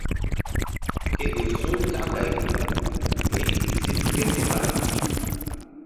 Ke ƴo su̧ nzak gay kpuhri késíɓa.